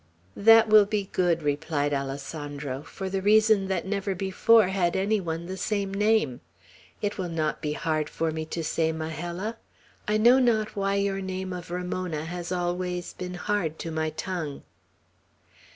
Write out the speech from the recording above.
"That will be good," replied Alessandro, "for the reason that never before had any one the same name. It will not be hard for me to say Majella. I know not why your name of Ramona has always been hard to my tongue."